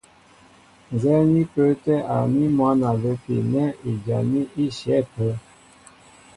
Ǹzɛ́ɛ́ ní pə́ə́tɛ̄ awaní mwǎ a lə́pi nɛ́ ijaní í shyɛ̌ ápə́.